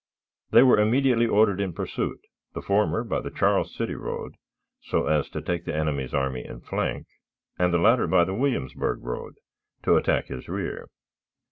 They were immediately ordered in pursuit, the former by the Charles City road, so as to take the enemy's army in flank; and the latter by the Williamsburg road, to attack his rear.